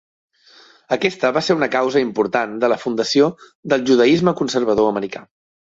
Aquesta va ser una causa important de la fundació del judaisme conservador americà.